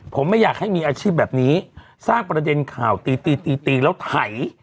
ผมไม่อยากให้มีอาชีพแบบนี้สร้างประเด็นข่าวตีตีตีแล้วไถ